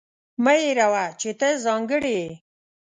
مه هېروه چې ته ځانګړې یې.